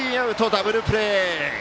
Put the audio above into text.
ダブルプレー。